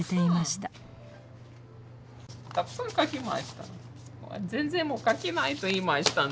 たくさん書きました。